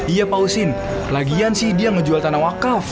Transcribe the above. iya pak usin lagian sih dia ngejual tanah wakaf